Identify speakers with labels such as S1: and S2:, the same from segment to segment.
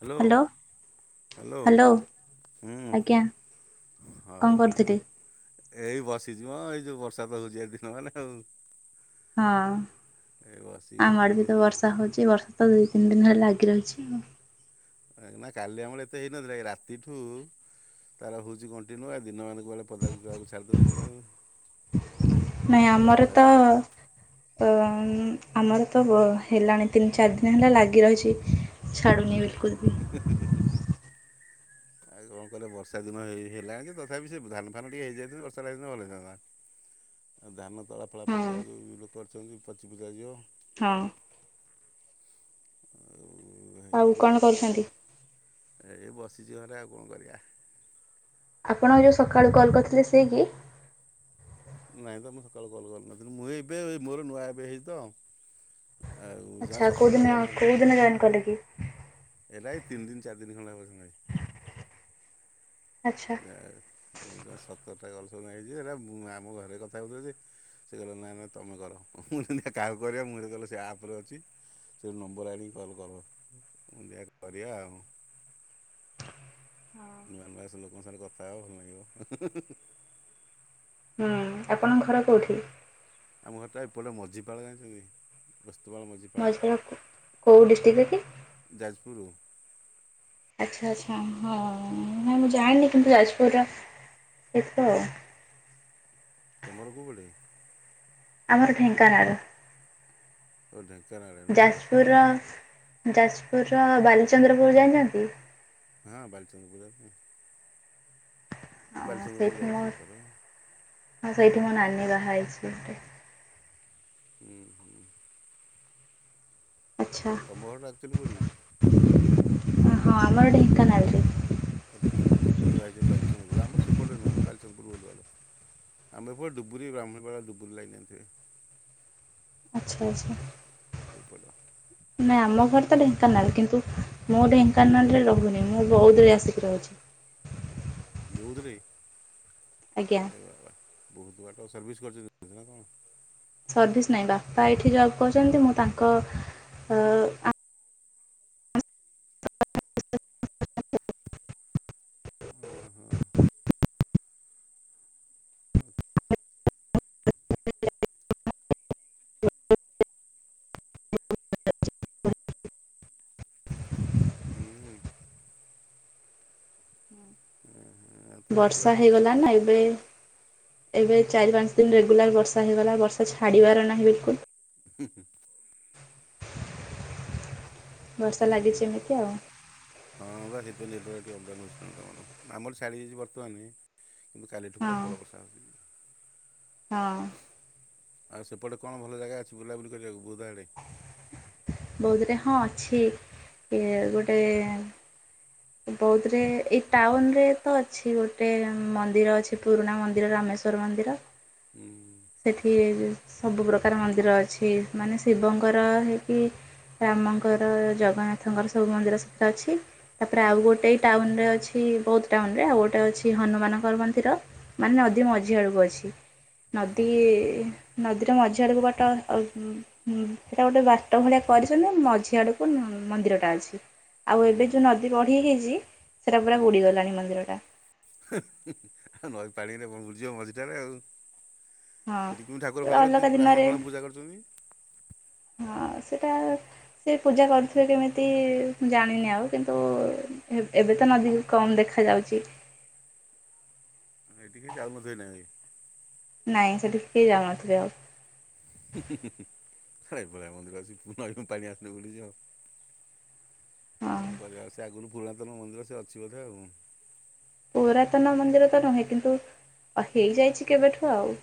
S1: Hello. Hello ହଁ
S2: ଆଜ୍ଞା
S1: ଆଉ
S2: କଣ
S1: ହଁ
S2: କରୁଥିଲେ?
S1: ହଁ। ଏଇ ବସିଛି ଏଇ ଯୋଉ ବର୍ଷା ତ ହଉଛି ଏ ଦିନ ମାନ ଆଉ।
S2: ହଁ
S1: ଏଇ ବସିକି
S2: ଆମଡ ବି
S1: ମାନେ
S2: ତ ବର୍ଷା ବର୍ଷା ହେଉଛି ବର୍ଷା ତ ଦୁଇ ତିନି ଦିନ ହେଲା ଲାଗି ରହିଛି।
S1: କାଲି ଆମର ଏତେ ହେଇନଥିଲା ରାତିଠୁ ତାର ହଉଛି କଣ୍ଟିନ୍ୟୁ ଆଉ ଦିନମାନ କୁଆଡେ ପଦାକୁ ଯାହାକୁ ଛାଡ଼ିଦେଉନି ଆଉ
S2: ନାଇଁ
S1: ପ୍ରବଳ
S2: ଆମର
S1: ବର୍ଷା
S2: ତ
S1: ହଉଛି।
S2: ଆମର ତ ହେଲାଣି ତିନି ଚାରି ଦିନ ହେଲା ଲାଗି ରହିଛି। ଛାଡ଼ୁନି ବିଲକୁଲ ବି।
S1: ହସ। ଆଉ କଣ କଲେ ବର୍ଷା ଦିନ ହେଇ ହେଲାଣି ତଥାପି ସେ ଧାନ ଫାନ ଟିକେ ହେଇଯାଇଥା ବର୍ଷା ହେ ଦିନ ଭଲ ହୋଇଥାନ୍ତା। ଧାନ ତଳା ଫଳା
S2: ହଁ
S1: ପକେଇବାକୁ ଲୋକ କରିଛନ୍ତି ପଚିପୁଚାଯିବ।
S2: ହଁ।
S1: ଆଉ ହେଇନି
S2: ଆଉ କଣ
S1: ସେଥିପାଇଁ
S2: କରୁଛନ୍ତି?
S1: ଏଇ ବସିଛି ଘରେ ଆଉ କଣ କରିବା।
S2: ଆପଣ ଯେଉଁ ସକାଳୁ କଲ୍ କରିଥିଲେ ସିଏ କି।
S1: ନହିଁ ତ ମୁଁ ସକାଳୁ କଲ୍ କରିନଥିଲି ମୁଁ ଏବେ ମୋର ନୂଆ ଏବେ ହେଇଛି ତ। ଆଉ ଜମା
S2: ଆଛା
S1: ସତରଟା
S2: କଉଦିନ
S1: କଲ୍
S2: ଜଏନ୍ କଲେ କି?
S1: ଏରା ଏଇତିନି ଦିନ ଚାରି ଦିନ ଖଣ୍ଡ ହେବ ସାଙ୍ଗାଇ।
S2: ଆଛା।
S1: ମୁଁ ଜଣେ ସତରଟା କଲେସନ ହେଇଛି ହେଇରା ମୁଁ ଆମ ଘରେ କଥା ହୁଏଯେ। ସେ କହିଲା ନାଇଁ ନାଇଁ ତମେ କର ମୁଁ ଯେମିତି କାହାକୁ କରିବା ମୁଁ ଯେତେବେଲେ ସେ ଆପ୍ ରେ ଅଛି। ସେ ନମ୍ବର ଆଣିକି କଲ କର ମୁଁ ଦେଖିଆ କରିବା ଆଉ। ନୂଆ ନୂଆ ସ ଲୋକଙ୍କ ସାଙ୍ଗ ରେ କଥା ହବ ଭଲ ନାଗିବ।
S2: ହୁଁ ଆପଣଙ୍କ ଘର କୋଉଠି?
S1: ଆମ ଘରଟା ଏପଟେ ମଝିପାଳ ଯଣିଛନ୍ତି। ବସ୍ତୁମାନ ମଝି ପାଳ।
S2: ମଝିପାଳ କେଉଁ ଡିଷ୍ଟ୍ରିକ୍ଟରେ କି?
S1: ଯାଜପୁର।
S2: ଆଚ୍ଛା ଆଚ୍ଛା ହଁ ନାଇଁ ମୁଁ ଜାଣିନି କିନ୍ତୁ ଯାଜପୁରର ହେଥିବ ଆଉ।
S1: ତୁମ ଘର କୌଆଡେ।
S2: ଆମର ଢେଙ୍କାନାଳ।
S1: ଓ ଢେଙ୍କାନାଳେ।
S2: ଯାଜପୁରର ଯାଜପୁରର ବାଲିଚନ୍ଦ୍ରପୁର ଯାଇଣିଛନ୍ତି।
S1: ହଁ ବାଲିଚନ୍ଦ୍ରପୁରୁ ଜାଣିନି। ମୁଁ
S2: ହଁ
S1: ବାଲିଚନ୍ଦ୍ରପୁର
S2: ସେଇଠି ମୋ
S1: ଯାଇଛିିବହୁତ୍ ଥର।
S2: ହଁ ସେଇଠି ମୋ ନାନୀ ବାହା ହେଇଛି ଗୋଟେ।
S1: ଉଁ ହୁଁ। ନା ତମ ଘର ଟା ଆକଚୁଆଲି କୋଉଠି କି?
S2: ଓହଁ ଆମର ଢେଙ୍କାନାଳ ରେ।
S1: ଆମର ଭାଇ [unintelligible] ବାଲିଚନ୍ଦପୁର ଆମର ସେପଟେ ନୁହଁ ବାଲଚନ୍ଦପୁର ଗଲଲ। ଆମେ ଏପଟେ ଡ଼ୁବୁରୀ ବ୍ରା୍ମଣୀପାଳ ଡୁବୁରି ଲାଇନ ଏମିତି ହୁଏ।
S2: ଆଚ୍ଛା ଆଚ୍ଛା।
S1: ସେଇପଟ।
S2: ନାଇଁ ଆମ ଘର ତ ଢେଙ୍କାନାଳ କିନ୍ତୁ ମୁଁ ଢେଙ୍କାନାଳ ରେ ରହୁନି ମୁଁ ବହୁଦରେ ଆସିକି ରହୁଛି।
S1: ବହୁଦରେ।
S2: ଆଜ୍ଞା।
S1: ଏ ବା ବା ବହୁତ ବାଟ ସର୍ଭିସ୍ କରିଛନ୍ତି ନା କଣ।
S2: ସର୍ଭିସ୍ ନାହିଁ ବାପା ଏଇଠି ଜବ୍ କରୁଛନ୍ତି ମୁଁ ତାଙ୍କ--ଆ। [inaudible]
S1: ଅଁ ହଁ। ହୁଁ ଉଁ। ଉଁ ହଁ।
S2: ବର୍ଷା ହେଇଗଲା ନା ଏବେ। ଏବେ ଚାରି ପାଞ୍ଚ ଦିନ ରେଗୁଲାର ବର୍ଷା ହୋଇଗଲା ବର୍ଷା ଛାଡ଼ିବାର ନାହିଁ ବିଲ୍ କୁଲ୍।
S1: ହୁଁ ହୁଁ।
S2: ବର୍ଷା
S1: ହୁଁ
S2: ଲାଗିଛି
S1: ଉଁ।
S2: ଏମିତି ଆଉ
S1: ହଁ ବା ସେଥିପାଇଁ ନେଟୱାକ ଟିକ ଅପ ଡାଉନ୍ ହେଉଛି ତଣ ତମର ଆମର ଛାଡ଼ିଯାଇଛି ବର୍ତ୍ତମାନ। କିନ୍ତୁ କାଲିଠୁ
S2: ହଁ
S1: ପ୍ରବଳ ବର୍ଷା ହେଛି।
S2: ହଁ।
S1: ଆଉ ସେପଟେ କଣ ଭଲ ଜାଗା ଅଛି ବୁଲାବୁଲି କରିବାକୁ ବୁଦା ଆଡ଼େ
S2: ବୌଦ ରେ ହଁ ଅଛି ଇଏ ଗୋଟେ ବୌଦୁ ରେ ଏଇ ଟାଉନ ରେ ତ ଅଛି ଗୋଟେ ମନ୍ଦିର ଅଛି ପୁରୁଣା ମନ୍ଦିର ରାମେଶ ତୋର୍ ମନ୍ଦିର
S1: ଉଁ।
S2: ସେଠି ସବୁ ପ୍ରକାର ମନ୍ଦିର ଅଛି ମାନେ ଶିବଙ୍କର ହେଇକି ରାମଙ୍କର ଜଗନ୍ନାଥଙ୍କର ସବୁ ମନ୍ଦିର ସେଟ ଅଛି ତାପରେ
S1: ହୁଁ
S2: ଆଉ ଗୋଟେ ଟାଉନୁ ରେ ଅଛି ବହୁତୁ ଟାଉନୁ ରେ ଆଉ ଗୋଟେ ଅଛି ହନୁମାନଙ୍କର ମନ୍ଦିର। ମାନେ ଅଦୀ ମଝି ଆଡକୁ ଅଛି।
S1: ଓ
S2: ନଦୀ
S1: ହଁ
S2: ନଦୀର ମଝି ଆଡ଼କୁ ବାଟ ଆଉ ହୁଁ ସେଟା ଗୋଟେ ବାଟ ଭଳିଆ କରିଛନ୍ତି ମଝି ଆଡକୁ ମନ୍ଦିରଟା ଅଛି। ଆଉ
S1: ହୁଁ
S2: ଏବେ ଯୋଉଁ ନଦୀ ବଢ଼ି ହେଇଚି ସେଇଟା ପୁରା ବୁଡ଼ିଗଲାଣି ମନ୍ଦିରଟା।
S1: ହେ ହୁଁ ନଈ ପାଣିରେ ବଣ ବୁଡିଯିବ ମଝିଟାରେ ଆଉ।
S2: ହଁ
S1: ସେଠି କି ଠାକୁର
S2: ପୁରା
S1: ଫାକୁର କି
S2: ଅଲଗା
S1: ବ୍ରାହ୍ମଣ
S2: ଦିନରେ
S1: ଫାମୁଣ ପୂଜା କରିଛନ୍ତି?
S2: ହଁ ସେଇଟା ସେ ପୂଜା କରୁଥିବେ କେମିତି ଜାଣିନି ଆଉ କିନ୍ତୁ ଏ ଏବେ ତ ନଦୀକୁ କମ ଦେଖା ଯାଉଚି।
S1: ଏଇଠିକି ଯାଉନଥିବେ ଏଇନା କେହି।
S2: ନାଇଁ ସେଠିିକି କେହି ଯାଉନଥିଲେ ଆଉ।
S1: ହୁଁ ହୁଁ ହୁଁ ହୁଁ ଶଳା ଏଇଭଳିଆ ମନ୍ଦିର ଅଛି ପୁ ନଈ ପାଣି ଆସିଲେ ବୁଡ଼ିଯିବ। କଣ କରିବା ସେ ଆଗରୁ ପୁରାତନ ମନ୍ଦିର ସେ ଅଛି ବୋଧେ ଆଉ।
S2: ପୁରାତନ ମନ୍ଦିର ତ ନୁହେଁ କିନ୍ତୁ ହେଇଯାଇଛି କେବେଠୁ ଆଉ।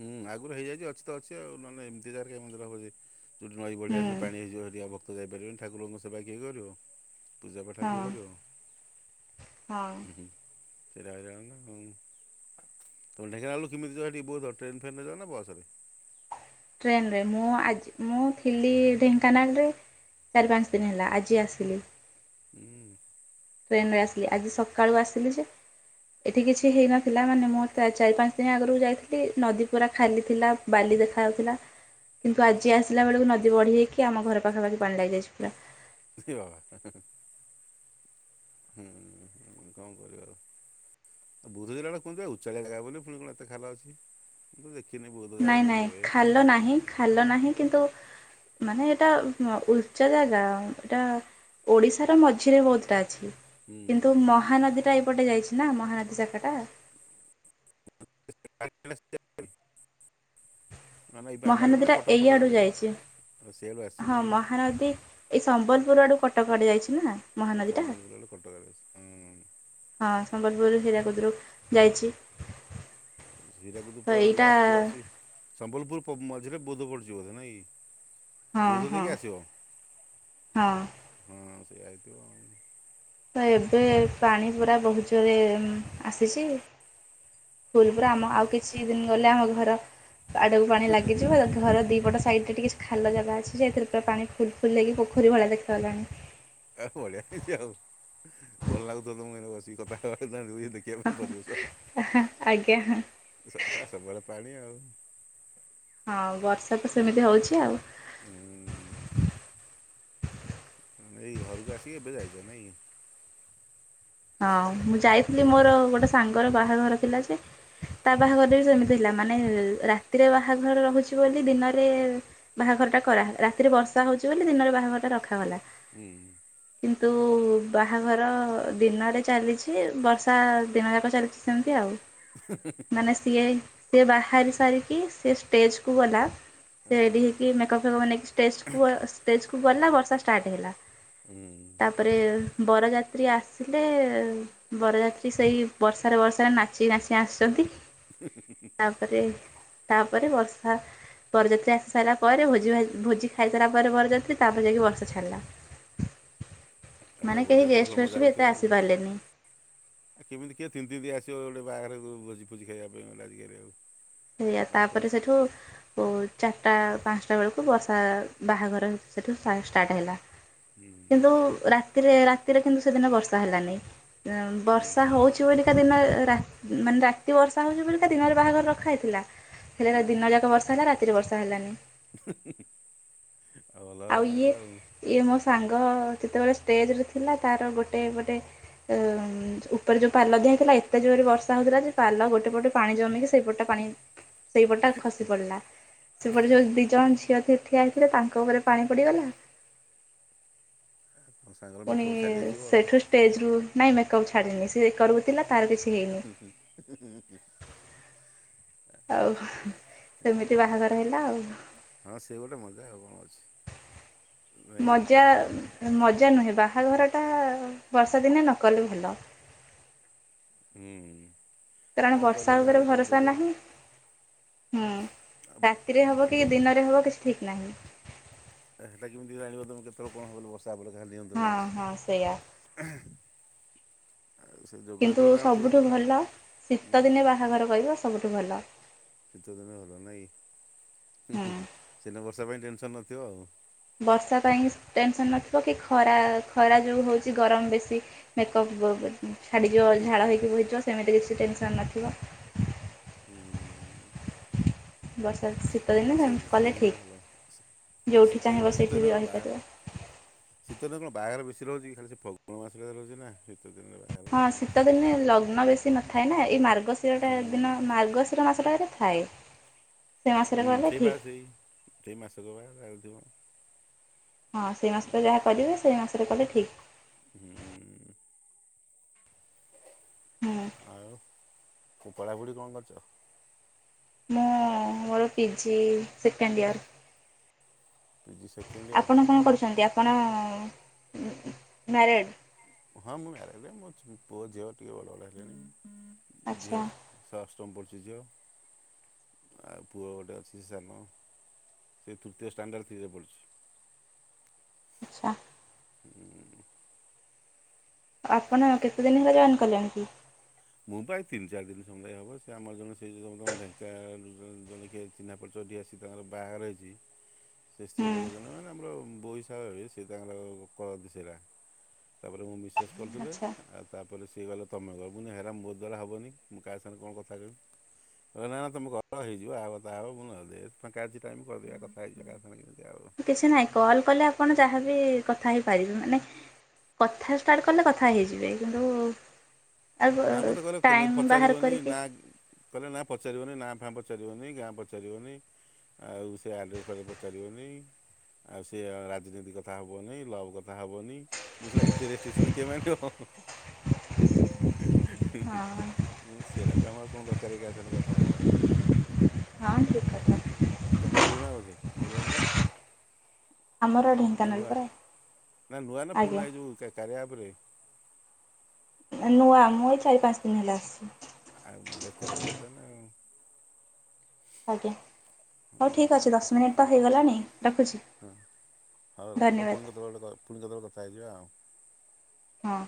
S1: ହୁଁ ଆଗରୁ ହେଇଯାଇଛି ଅଛି ତ ଅଛି ଆଉ ନହେଲେ ଏମିତି ଜାଗାରେ କାଇଁ ମନ୍ଦିର ହବ ଯେ ଯୋଉଠି ନଈ ବଢି
S2: ହୁଁ
S1: ଆସିଲେ ପାଣି ହେଇଯିବ ସେଠି ଆଉ ଭକ୍ତ ଯାଇପାରିବନି ଠାକୁରଙ୍କ ସେବା କିଏ କରିବ? ପୂଜା ପାଠ ଆଉ କିଏ
S2: ହଁ
S1: କରିବ?
S2: ହଁ
S1: ହୁଁ ହୁଁ। ସେଇଟା ଆଉ ଯାଉନ ହୁଁ। ତୁମେ ଢେଙ୍କାନାଳରୁ କେମିତି ଯାଅ ଟିକେ ବହୁତ ବାଟ ଟ୍ରେନ୍ ଫେନରେ ଯାଅନା ବସରେ?
S2: ଟ୍ରେନରେ ମୁଁ ଆଜି ମୁଁ ଥିଲି ଢେଙ୍କାନାଳରେ। ଚାରି ପାଞ୍ଚି ଦିନି ହେଲା ଆଜି ଆସିଲି।
S1: ହୁଁ।
S2: ଟ୍ରେନେ ରେ ଆସିଲି ଆଜି ସକାଳୁ ଆସିଲି ଯେ ଏଠି କିଛି ହେଇନଥିଲା ମାନେ ମୁଁ ଚା ଚାରି ପାଞ୍ଚି ଦିନି ଆଗରୁ ଯାଇଥିଲି ନଦୀ ପୁରା ଖାଲି ଥିଲା ବାଲି ଦେଖାଯାଉଥିଲା କିନ୍ତୁ ଆଜି ଆସିଲା ବେଳକୁ ନଦୀ ବଢ଼ି ହେଇକି ଆମ ଘର ପାଖାପାଖି ପାଣି ଲାଗିଯାଇଚି ପୁରା।
S1: ଦେଖିବ ହୁଁ କଣ କରିବା ଆଉ। ବୌଦ୍ଧ ଜିଲ୍ଲାଟା କହନ୍ତି ଉଚ୍ଚାଳିଆ ଜାଗାଟା ବୋଲି ପୁଣି କଣ ଏତେ ଖାଲ ଅଛି। ମୁଁ ତ ଦେଖିନି ବୌଦ୍ଧ
S2: ନାଇଁ
S1: ଯାଇନି
S2: ନାଇଁ
S1: କେବେ
S2: ଖାଲ ନାହିଁ। ଖାଲ ନାହିଁ କିନ୍ତୁ ମାନେ ଏଇଟା ଉ ଉଚ୍ଚା ଜାଗା ଏଟା ଓଡ଼ିଶାର ମଝିରେ ବୌଦ୍ଧଟା ଅଛି।
S1: ହୁଁ।
S2: କିନ୍ତୁ ମହାନଦୀଟା ଏଇପଟେ ଯାଇଛି ନା ମହାନଦୀ ଶାଖା ଟା।
S1: [unintelligible] ମାନେ ଏଇ ଆମ ଆଡ଼େ ମାନେ
S2: ମହାନଦୀଟା
S1: କଟକ ଫଟକ
S2: ଏଇଆଡୁ
S1: ଆଡ଼େ
S2: ଯାଇଛି।
S1: ଆଉ ସିଆଡ଼ୁ ଆସିଛି
S2: ହଁ
S1: ନାଇଁ
S2: ମହାନଦୀ ଏଇ ସମ୍ବଲପୁରୁ ଆଡୁ କଟକ ଆଡେ ଯାଇଛି ନା? ମହାନଦୀଟା
S1: ସମ୍ବଲପୁରୁ ଆଡୁ କଟକ ଆଇଛି। ହୁଁ।
S2: ହଁ ସମ୍ବଲପୁରରୁ ହୀରାକୁଦରୁ ଯାଇଛି।
S1: ହୀରାକୁଦୁ
S2: ତ
S1: ପରେ
S2: ଏଇଟା
S1: ଆସି ଆସି। ସମ୍ବଲପୁରୁ ପ ମଝିରେ ବୌଦ୍ଧ ପଡୁଛିି ବୋଧେ ନାଇଁ?
S2: ହଁ
S1: ବୌଦ୍ଧ
S2: ହଁ
S1: ଦେଇକି ଆସିବ?
S2: ହଁ
S1: ହଁ ସେଇଆ ହେଇଥିବ ଆଉ।
S2: ତ ଏବେ ପାଣିପୁରା ବହୁତ ଜୋରରେ ଉଁ ଆସିଛି ଫୁଲ, ପୁରା ଆମ ଆଉ କିଛି ଦିନ ଗଲେ ଆମ ଘର। ଆଡକୁ ପାଣି ଲାଗିଯିବ, ତ ଘର ଦି ପଟ ସାଇଟଟା ଟିକେ ଖାଲ ଜାଗା ଅଛି ଯେ, ଏଥିରେ ପୁରା ପାଣି ଫୁଲ ଫୁଲ ହେଇକି ପୋଖରୀ ଭଳିଆ ଦେଖାଗଲାଣି।
S1: ଆ ବଢିଆ ହେଇଛି ଆଉ, ଭଲ ଲାଗୁଥବ ତମକୁ ଏମତି ବସିକି କଥାବାର୍ତ୍ତା ହେଇ ଦେଖି
S2: ହ ଆଜ୍ଞା ହଁ।
S1: ସ ସାଡେ ସବୁବେଳେ ପାଣି ଆଉ।
S2: ହଁ ବର୍ଷା ତ ସେମିତି ହଉଛି ଆଉ।
S1: ହୁଁ ଏଇ ଘରୁକୁ ଆସିକି ଏବେ ଯାଇଚ ନାଇଁ କି?
S2: ହଁ ମୁଁ ଯାଇଥିଲି ମୋର ଗୋଟେ ସାଙ୍ଗର ବାହାଘର ଥିଲା ଯେ ତା ବାହାଘର ବି ସେମିତି ଥିଲା। ମାନେ ରାତିରେ ବାହାଘର ରହୁଛି ବୋଲି ଦିନରେ ବାହାଘରଟା କରା ରାତିରେ ବର୍ଷା ହଉଛି ବୋଲି ଦିନରେ ବାହାଘରଟା ରଖାଗଲା।
S1: ହୁଁ।
S2: କିନ୍ତୁ ବାହାଘର ଦିନରେ ଚାଲିଛି, ବର୍ଷା ଦିନ ଯାକ ଚାଲିଚି ସେମତି ଆଉ। ମାନେ ସିଏ, ସିଏ ବାହାରି ସାରିକି ସିଏ ଷ୍ଟେଜକୁ ଗଲା ସେ
S1: ହୁଁ
S2: ରେଡି ହେଇକି ମେକପ୍ ଫେକ୍ଅପ୍ ନେଇକି ଷ୍ଟେଜ୍ କୁ ଅ ଷ୍ଟେଜ୍ କୁ ଗଲା ବର୍ଷା ଷ୍ଟାର୍ଟ ହେଲା।
S1: ହୁଁ
S2: ତା ପରେ ବରଯାତ୍ରୀ ଆସ୍ ଥିଲେ ବରଯାତ୍ରୀ ସେଇ ବର୍ଷାରେ ବର୍ଷାରେ ନାଚି ନାଚି ଆସିଛନ୍ତି।
S1: ହଁ ହୁଁ
S2: ତାପରେ ତାପରେ ବର୍ଷା। ବରଯାତ୍ରୀ ଆସି ସାରିଲା ପରେ ଭୋଜି ଭାଜ୍ ଭୋଜି ଖାଇସାରିଲା ପରେ ବରଯାତ୍ରୀ ତାପରେ ଯାଇକି ବର୍ଷା ଛାଡ଼ିଲା।
S1: ଏ
S2: ମାନେ
S1: ସବୁ
S2: କେହି
S1: ବରଯାତ୍ରୀ
S2: ଗେଷ୍ଟ
S1: ଭଲ
S2: ଫେଷ୍ଟ
S1: ମଜା
S2: ବି ଏତେ
S1: କରିଥିବେ ଆଉ।
S2: ଆସିପାରିଲେନି
S1: ଆଉ କେମିତି କିଏ ତିନ୍ତିତିିନ୍ତି ଆସିବ ଗୋଟେ ବାହାଘରକୁ ଭୋଜି ଫୋଜି ଖାଇବା ପାଇଁ ଗୋଟେ ଆଜିକାଲି ଆଉ।
S2: ସେଇଆ ତାପରେ ସେଇଠୁ ଓ ଚାରିଟା ପାଞ୍ଚଟା ବେଳକୁ ବର୍ଷା ବାହାଘର ସେଇଠୁ ଷ୍ଟାର୍ଟ ହେଲା।
S1: ହୁଁ
S2: କିନ୍ତୁ ରାତିରେ ରାତିରେ କିନ୍ତୁ ସେଦିନ ବର୍ଷା ହେଲାନି। ଉଁ
S1: ହୁଁ
S2: ବର୍ଷା
S1: ହୁଁ
S2: ହଉଛି ବଲିକା ଦିନ ରାତି ମାନେ ରାତି ବର୍ଷା ହଉଛି ବଲିକା ଦିନରେ ବାହାଘର ର ଖାଇଥିଲା ହେଲେ
S1: ହୁଁ
S2: ଦିନ ଯାକ ବର୍ଷା ହେଲା ରାତିରେ ବର୍ଷା ହେଲାନି।
S1: ଆଉ ଭଲ ହେଲା ତାଙ୍କ ର ଆଉ।
S2: ଇଏ ମୋ ସାଙ୍ଗ ଯେତେବେଳେ ଷ୍ଟେଜରେ ଥିଲା ତାର ଗୋଟେ ପଟେ। ଅ ଉପରେ ଯୋଉ ପାଲ ଦିଆ ଥିଲା ଏତେ ଜୋରରେ ବର୍ଷା ହଉଥିଲା ଯେ ପାଲ ଗୋଟେ ପଟେ ପାଣି ଜମିକି ସେଇପଟା ପାଣି ସେଇପଟା ଖସି ପଡିଲା। ସେପଟେ ଯୋଉ ଦି ଜଣ ଝିଅ ଠିଆ ହେ ଥିଲା ତାଙ୍କ ଉପରେ ପାଣି ପଡିଗଲା।
S1: ତମ ସାଙ୍ଗର
S2: ପୁଣି
S1: ମେକଅପ୍ ଛାଡ଼ି ଯାଇଥିବ ଆଉ
S2: ସେଠୁ ଷ୍ଟେଜ ରୁ ନାଇଁ ମେକପ୍ ଛାଡିନି ସେ କରୁଥିଲା ତାର କିଛି ହେଇନି।
S1: ହୁଁ ହୁଁ ହୁଁ
S2: ଆଉ
S1: ଏ
S2: ସେମିତି ବାହାଘର ହେଲା ଆଉ।
S1: ହଁ ସେ ଗୋଟେ ମଜା ଆଉ କଣ ଅଛି। ନାଇଁ
S2: ମଜା ମଜା ନୁହେଁ ବାହାଘରଟା ବର୍ଷାଦିନେ ନକଲେ ଭଲ।
S1: ହୁଁ
S2: କାରଣ
S1: କଣ କରିବ
S2: ବର୍ଷା
S1: ଯାହାର
S2: ଉପରେ
S1: ଯେତେବେଳେ
S2: ଭରସା
S1: ଯୋଗ
S2: ନାହିଁ। ହୁଁ
S1: ଆଉ
S2: ରାତିରେ ହବ କି
S1: ଯୋଗ
S2: ଦିନରେ ହବ କିଛି ଠିକ ନାହିଁ।
S1: ସେଟା କେମିତି ଜାଣିବ ତମେ କେତେବେଳେ କଣ ହବ ବୋଲି ବର୍ଷା ହେରୋଲି
S2: ହଁ
S1: ନିୟନ୍ତ୍ରଣ
S2: ହଁ ସେଇଆ।
S1: ଅଛି। [unintelligible] ଆଉ ସେ ଯୋଗ
S2: କିନ୍ତୁ
S1: ଯେତେବେଳେ ତାଙ୍କର ଥିବ
S2: ସବୁଠୁ
S1: ସେତେବେଳେ କଣ
S2: ଭଲ
S1: ହୁଁ
S2: ଶୀତଦିନେ ବାହାଘର କରିବ ସବୁଠୁ ଭଲ।
S1: ଶୀତ ଦିନେ ଭଲ ନାଇଁ ହୁଁ ହୁଁ ସେଦିନ ବର୍ଷା ପାଇଁ ଟେନସନ ନଥିବ ଆଉ।
S2: ବର୍ଷା ପାଇଁ ଟେନସନ୍ ନଥିବ କି ଖରା ଖରା ଯେଉଁ ହେଉଛି ଗରମ ବେଶୀ ମେକପ୍ ଛାଡିଯିବ ଝାଳ
S1: ହୁଁ
S2: ହେଇକି ବହିଯିବ ସେମିତି କିଛି ଟେନସନ ନଥିବ।
S1: ହୁଁ।
S2: ବସ ଅଛି?
S1: ହଁ ସେଇ ସେଇଦିନ ଭଲ ହଁ
S2: ଯୋଉଠି
S1: ଶୀତ
S2: ଚାହିଁବ
S1: ଦିନ
S2: ସେଇଠି ବି
S1: ଶୀତଦିନେ ବାଘର
S2: ରହିପାରିବ।
S1: ଶୀତ ଦିନ କଣ ବାହାଘର ବେଶୀ ରହୁଛି ଖାଲି ସେ ଫଗୁଣ ମାସଟା ରହୁଛି ନା ଶୀତ ଦିନରେ ବା
S2: ହଁ ଶୀତଦିନେ ଲଗ୍ନ ବେଶୀ ନଥାଏ ନା ଏଇ ମାର୍ଗଶିରଟା ଦିନ ମାର୍ଗଶିର ମାସଟା ଏତରେ ଥାଏ। ସେ ମାସରେ
S1: ହୁଁ
S2: କଲେ
S1: ସେଇ ବା
S2: ଠିକ୍
S1: ସେଇ ସେଇ ମାସ କ ବା ଥିବ।
S2: ହଁ ସେଇ ମାସରେ ଯାହା
S1: ନଥିବ।
S2: କରିବେ ସେଇ ମାସରେ କଲେ ଠିକ୍।
S1: ହୁଁ।
S2: ହୁଁ।
S1: ଆଉ ପଢାପଢି କଣ କରୁଚ?
S2: ମୁଁ ମୋର PG second year.
S1: PG second year
S2: ଆପଣ କଣ କରୁଛନ୍ତି ଆପଣ ମ୍ୟାରେଡ଼୍?
S1: ହଁ ମୁଁ ମ୍ୟାରେଡ ମୋ ପୁଅ ଝିଅ ଟିକେ ବଡ଼ ବଡ଼ ହେଲିଣି
S2: ଆଚ୍ଛା
S1: ଝିଅ ଅଷ୍ଟମ ପଢୁଛି ଝିଅ ଆଉ ପୁଅ ଗୋଟେ ଅଛି ସାନ ସେ ତୃତୀୟ ଷ୍ଟାଣ୍ଡଟ [inaudible] ପଢୁଛି।
S2: ଆଚ୍ଛା।
S1: ହୁଁ।
S2: ଆପଣ କେତେ ଦିନ ହେଲା ଜଏନ୍ କଲେଣି?
S1: ମୁଁପା ଏଇ ତିନି ଚାରି ଦିନ ସମୟ ହବ ସେ ଆମର ଜଣେ ସେ ଢେଙ୍କା ଜଣେ କିଏ ଚିହ୍ନା ପରିଚୟ ଦିଆ ଆସି ତାଙ୍କର ବାହାଘର ହେଇଛି। ସେ
S2: ହୁଁ
S1: ସ୍ତ୍ରୀଲୋକ ଜଣେ ନା ଆମର ବୋହୂ ହିସାବରେ ହେବେ ସିଏ ତାଙ୍କର କରନ୍ତି ସେଇରା। ତାପରେ ମୁଁ ମିଶେସ୍ କରିଦେବେ
S2: ଆଚ୍ଛା।
S1: ଆଉ ତାପରେ ସିଏ କହିଲେ ତମେ କର। ହେରା ମୋ ଦ୍ୱାରା ହବନି ମୁଁ କାହା ସାଙ୍ଗରେ କଣ କଥାହେବି। କହିଲ ନା ତମ ଘର ହେଇଯିବ ଆ କଥା ହବ କଣ ହୋଉଛି। ଫାଙ୍କା ଅଛି ଟାଇମ୍ କରିଦେଵା କଥା ହେଇଜିବା ଏମତି।
S2: କିଛି ନାହିଁ କଲ୍ କଲେ ଆପଣ ଯାହାବି କଥା ହେଇପାରିବେ। ମାନେ କଥା ଷ୍ଟାର୍ଟ କଲେ କଥା ହେଇଯିବେ କିନ୍ତୁ
S1: ନା
S2: ଆଉ
S1: ମତେ କହିଲେ
S2: ଟାଇମ୍ ବାହାର
S1: ପଚାରିବନେହି
S2: କରିକି
S1: ନା କହିଲେ ନା ପଚାରିବନି ନାଁ ଫାଁ ପଚାରିବନି ଗାଁ ପଚାରିବନି। ଆଉ ସେ ଆଡ୍ରେସ ପା ପଚାରିବନି। ଆଉ ସେଏ ରାଜନୀତି କଥା ହେବନିଁ ଲଭ୍ କଥା ହବନି। ଶଳା ଏତେ ରେଷ୍ଟସନ କିଏ ମାନିବ। [inaudible] ମୁଁ
S2: ହଁ
S1: କହିଲି ସେରାକ ଆମର କଣ ଦରକାରକି କାହା ସାଙ୍ଗରେ କଥା ହେବା।
S2: ହଁ ଠିକ୍ କଥା।
S1: ତମେ ପୂରୁଣା ବୋଧେ ଏଲାଇନି?
S2: ଆମର
S1: ନା
S2: ଢେଙ୍କାନାଳ
S1: ନୂଆ
S2: ପରା
S1: ନା ନୂଆ ନା
S2: ଆଜ୍ଞା
S1: ପୁରୁଣା ଏଇଯୋଉ କାରିଆ ଆପ ରେ?
S2: ନା ନୂଆ ମୁଁ ଏଇ ଚାରି ପାଞ୍ଚ ଦିନ ହେଲେ ଆସିଛି।
S1: ଆଉ ଏକା ସାଙ୍ଗରେ ତାନା ଆଉ
S2: ଆଜ୍ଞା ହଉ ଠିକ୍ ଅଛି
S1: ହୁଁ,
S2: ଦଶ ମିନିଟ୍ ତ ହେଇଗଲାଣି ରଖୁଛି?
S1: ହଁ ହଉ ରଖ
S2: ଧନ୍ୟବାଦ
S1: ପୁଣି କେତେବେଳେ ପୁଣି କେତେବେଳେ କଥା ହେଇଯିବା ଆଉ
S2: ହଁ।